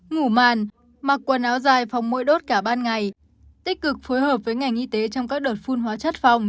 ngủ màn mặc quần áo dài phòng mũi đốt cả ban ngày tích cực phối hợp với ngành y tế trong các đợt phun hóa chất phòng